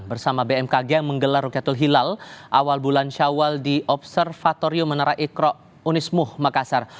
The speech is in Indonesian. bersama bmkg menggelar rukyatul hilal awal bulan syawal di observatorium menara ikro unismu makassar